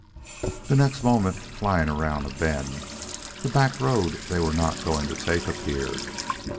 The next moment, flying around a bend, the back road they were not going to take appeared.